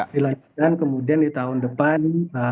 di lanjutan kemudian di tahun depan